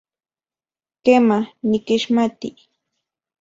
Kema, nikixmati.